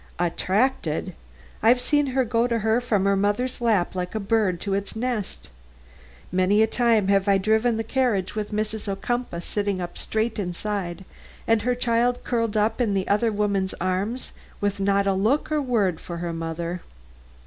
"Attracted? I've seen her go to her from her mother's lap like a bird to its nest. Many a time have I driven the carriage with Mrs. Ocumpaugh sitting up straight inside, and her child curled up in this other woman's arms with not a look or word for her mother."